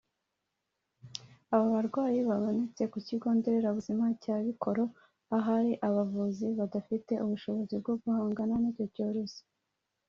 Aba barwayi babonetse ku kigo nderabuzima cya Bikoro ahari abavuzi badafite ubushobozi bwo guhangana n’ iki cyorezo